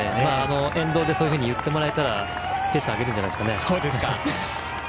沿道でそう言ってもらえたらペース上げるんじゃないですかね。